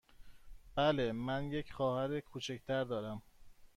بله، من یک خواهر کوچک تر دارم.